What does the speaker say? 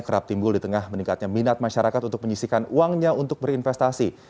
kerap timbul di tengah meningkatnya minat masyarakat untuk menyisikan uangnya untuk berinvestasi